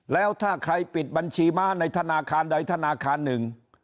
แล้วถ้าใครปิดบัญชีม้าในธนาคารใดธนาคารหนึ่ง